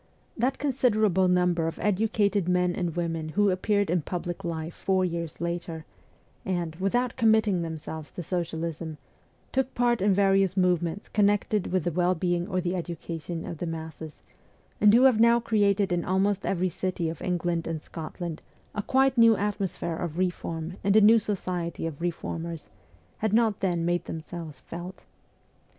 That considerable number of educated men and women who appeared in public life four years later, and, without committing themselves to socialism, took part in various movements connected with the well being or the education of the masses, and who have now created in almost every city of England and Scotland a quite new atmosphere of reform and a new society of reformers, had not then made themselves felt.